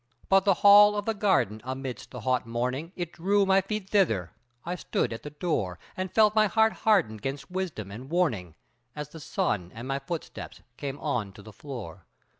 But the Hall of the Garden amidst the hot morning, It drew my feet thither; I stood at the door, And felt my heart harden 'gainst wisdom and warning As the sun and my footsteps came on to the floor.